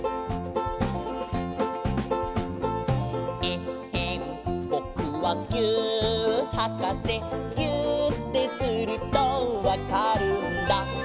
「えっへんぼくはぎゅーっはかせ」「ぎゅーってするとわかるんだ」